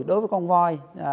đối với con voi